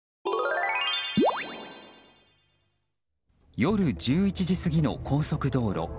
夜１１時過ぎの高速道路。